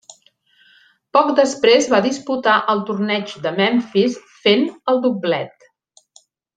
Poc després va disputar el torneig de Memphis fent el doblet.